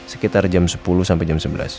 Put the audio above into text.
sekitar jam sepuluh sampai jam sebelas